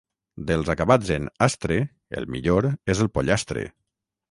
Dels acabats en «-astre» el millor és el pollastre.